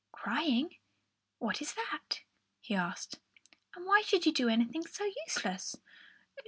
"Crying? What is that?" he asked. "And why should you do anything so useless?